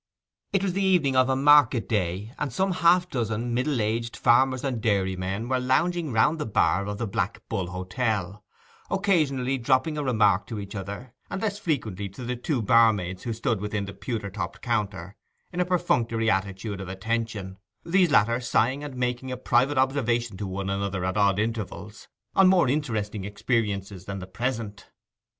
It was the evening of a market day, and some half dozen middle aged farmers and dairymen were lounging round the bar of the Black Bull Hotel, occasionally dropping a remark to each other, and less frequently to the two barmaids who stood within the pewter topped counter in a perfunctory attitude of attention, these latter sighing and making a private observation to one another at odd intervals, on more interesting experiences than the present.